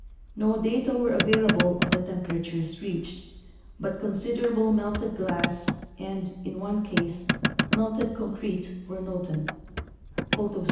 No data were available on the temperatures reached, but considerable melted glass and, in one case, melted concrete were noted (Photos 32, 33 and 34).